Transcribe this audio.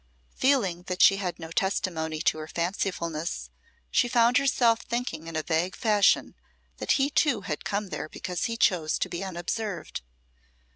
Feeling that she had no testimony to her fancifulness, she found herself thinking in a vague fashion that he, too, had come there because he chose to be unobserved.